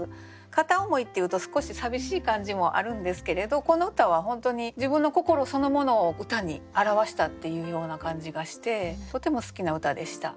片思いっていうと少し寂しい感じもあるんですけれどこの歌は本当に自分の心そのものを歌に表したっていうような感じがしてとても好きな歌でした。